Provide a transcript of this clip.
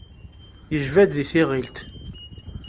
Yejba-d di tiɣilt.